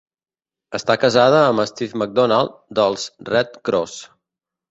Està casada amb Steve McDonald dels Redd Kross.